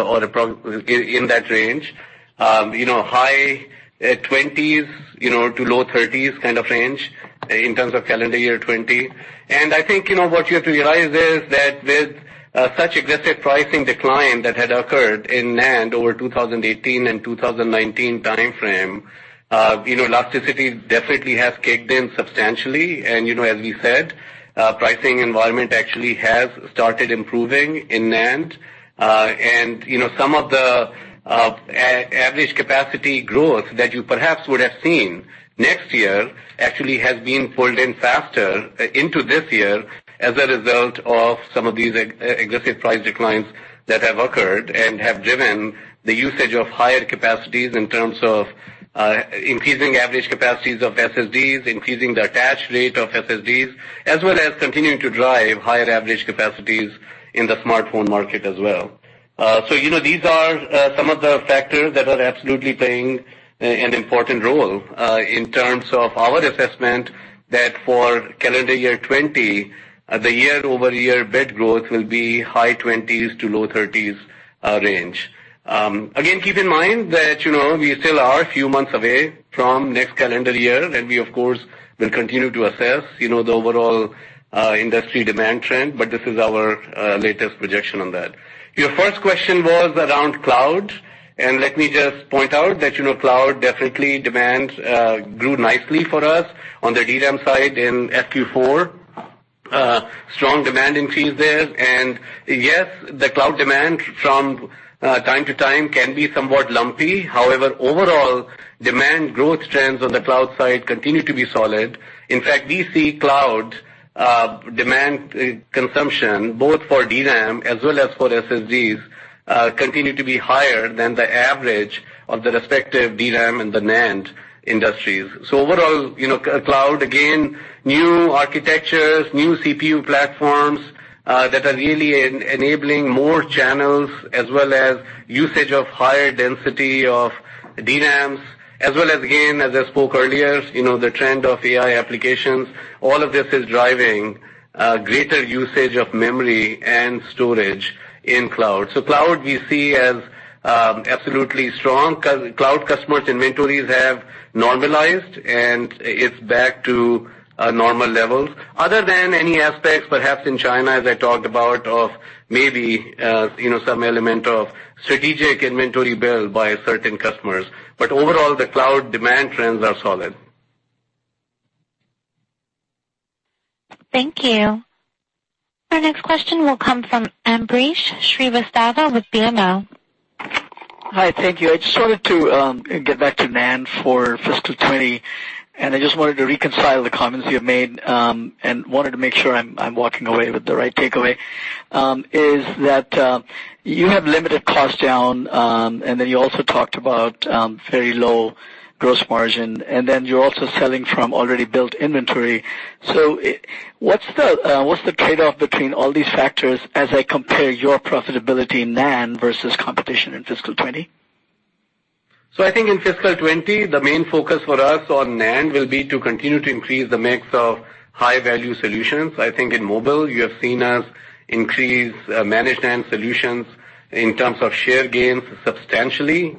or in that range, high 20s to low 30s kind of range in terms of calendar year 2020. I think what you have to realize is that with such aggressive pricing decline that had occurred in NAND over 2018 and 2019 timeframe, elasticity definitely has kicked in substantially. As we said, pricing environment actually has started improving in NAND. Some of the average capacity growth that you perhaps would have seen next year actually has been pulled in faster into this year as a result of some of these aggressive price declines that have occurred and have driven the usage of higher capacities in terms ofIncreasing average capacities of SSDs, increasing the attach rate of SSDs, as well as continuing to drive higher average capacities in the smartphone market as well. These are some of the factors that are absolutely playing an important role in terms of our assessment that for calendar year 2020, the year-over-year bit growth will be high 20s to low 30s range. Again, keep in mind that we still are a few months away from next calendar year, and we, of course, will continue to assess the overall industry demand trend, but this is our latest projection on that. Your first question was around cloud, and let me just point out that cloud definitely demand grew nicely for us on the DRAM side in our Q4, strong demand increase there. Yes, the cloud demand from time to time can be somewhat lumpy. However, overall, demand growth trends on the cloud side continue to be solid. In fact, we see cloud demand consumption both for DRAM as well as for SSDs continue to be higher than the average of the respective DRAM and the NAND industries. Overall, cloud, again, new architectures, new CPU platforms that are really enabling more channels as well as usage of higher density of DRAMs as well as, again, as I spoke earlier, the trend of AI applications, all of this is driving greater usage of memory and storage in cloud. Cloud we see as absolutely strong. Cloud customers' inventories have normalized, and it's back to normal levels other than any aspects perhaps in China, as I talked about, of maybe some element of strategic inventory build by certain customers. Overall, the cloud demand trends are solid. Thank you. Our next question will come from Ambrish Srivastava with BMO. Hi, thank you. I just wanted to get back to NAND for fiscal '20, and I just wanted to reconcile the comments you have made, and wanted to make sure I'm walking away with the right takeaway, is that you have limited cost down, and then you also talked about very low gross margin, and then you're also selling from already built inventory. What's the trade-off between all these factors as I compare your profitability in NAND versus competition in fiscal '20? I think in fiscal 2020, the main focus for us on NAND will be to continue to increase the mix of high-value solutions. I think in mobile, you have seen us increase managed NAND solutions in terms of share gains substantially,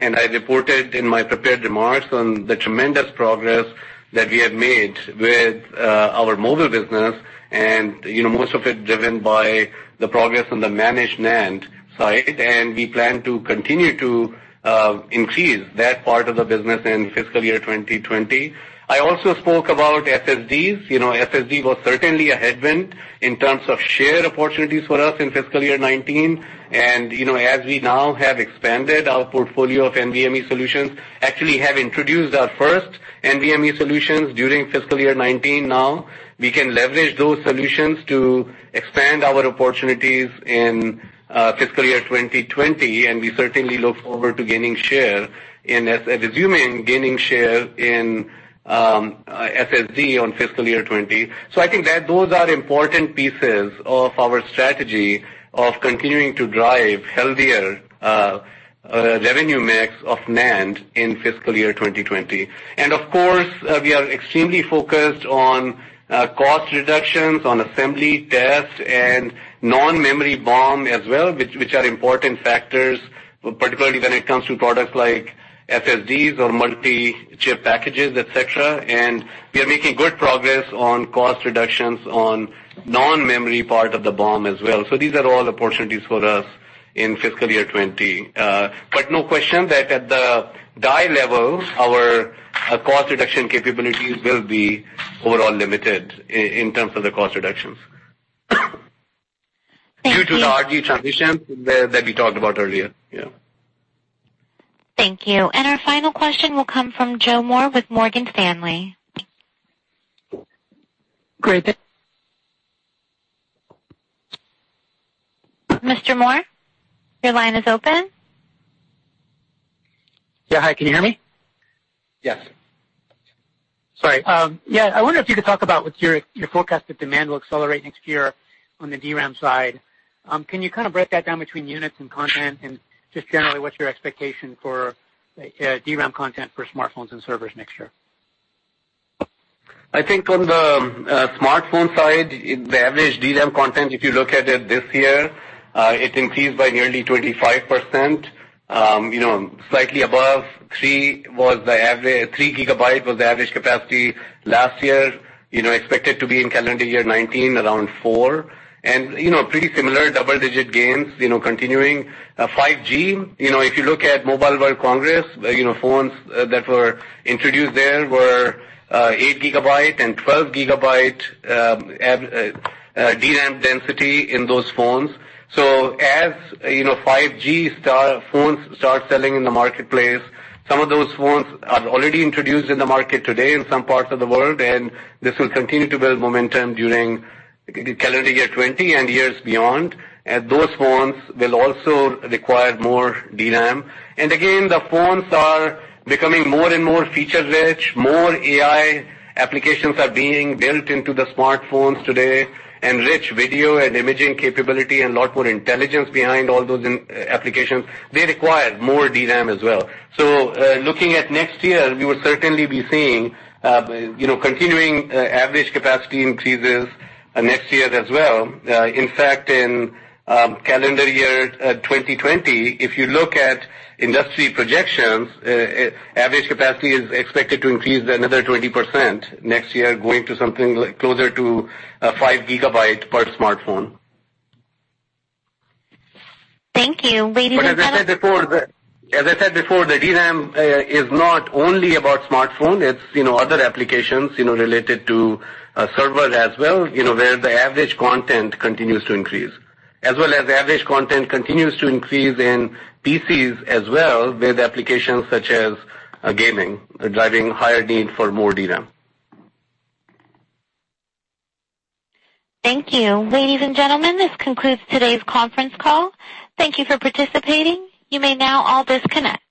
and I reported in my prepared remarks on the tremendous progress that we have made with our mobile business and most of it driven by the progress on the managed NAND side. We plan to continue to increase that part of the business in fiscal year 2020. I also spoke about SSDs. SSD was certainly a headwind in terms of share opportunities for us in fiscal year 2019. As we now have expanded our portfolio of NVMe solutions, actually have introduced our first NVMe solutions during fiscal year 2019 now, we can leverage those solutions to expand our opportunities in fiscal year 2020, and we certainly look forward to gaining share in gaining share in SSD on fiscal year 2020. I think that those are important pieces of our strategy of continuing to drive healthier revenue mix of NAND in fiscal year 2020. Of course, we are extremely focused on cost reductions on assembly, test, and non-memory BOM as well, which are important factors, particularly when it comes to products like SSDs or multi-chip packages, et cetera. We are making good progress on cost reductions on non-memory part of the BOM as well. These are all opportunities for us in fiscal year 2020. No question that at the die level, our cost reduction capabilities will be overall limited in terms of the cost reductions. Thank you. Due to the RG transition that we talked about earlier, yeah. Thank you. Our final question will come from Joseph Moore with Morgan Stanley. Great. Mr. Moore, your line is open. Yeah. Hi, can you hear me? Yes. Sorry. Yeah. I wonder if you could talk about with your forecasted demand will accelerate next year on the DRAM side. Can you kind of break that down between units and content and just generally what's your expectation for DRAM content for smartphones and servers next year? I think on the smartphone side, the average DRAM content, if you look at it this year, it increased by nearly 25%, slightly above 3 gigabyte was the average capacity last year, expected to be in calendar year 2019, around 4, and pretty similar double-digit gains continuing. 5G, if you look at Mobile World Congress, phones that were introduced there were 8 gigabyte and 12 gigabyte DRAM density in those phones. As 5G phones start selling in the marketplace, some of those phones are already introduced in the market today in some parts of the world, and this will continue to build momentum during calendar year 2020 and years beyond. Those phones will also require more DRAM. Again, the phones are becoming more and more feature-rich. More AI applications are being built into the smartphones today and rich video and imaging capability and a lot more intelligence behind all those applications. They require more DRAM as well. Looking at next year, we will certainly be seeing continuing average capacity increases next year as well. In fact, in calendar year 2020, if you look at industry projections, average capacity is expected to increase another 20% next year, going to something closer to 5 gigabyte per smartphone. Thank you. As I said before, the DRAM is not only about smartphone, it's other applications related to server as well, where the average content continues to increase. As well as the average content continues to increase in PCs as well, with applications such as gaming driving higher need for more DRAM. Thank you. Ladies and gentlemen, this concludes today's conference call. Thank you for participating. You may now all disconnect.